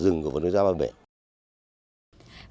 các thôn bản trong vườn quốc gia ba bể cũng được cải thiện dần dần